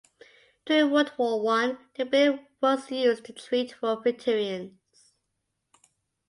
During World War One the building was used to treat war veterans.